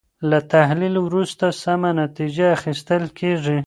له تحلیل وروسته سمه نتیجه اخیستل کیږي.